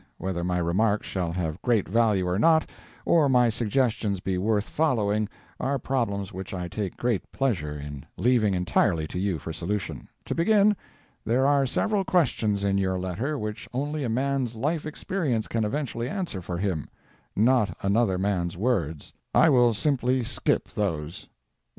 Whether my remarks shall have great value or not, or my suggestions be worth following, are problems which I take great pleasure in leaving entirely to you for solution. To begin: There are several questions in your letter which only a man's life experience can eventually answer for him—not another man's words. I will simply skip those.